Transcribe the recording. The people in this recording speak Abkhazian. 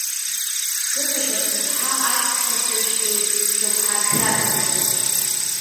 Қыҭак рҭыԥҳа, аҵәца хьышь еиԥш, дзықәҳаршәазеи!